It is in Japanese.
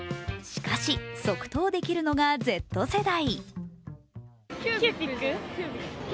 しかし即答できるのがＺ世代。